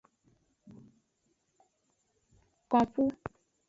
Konkpu.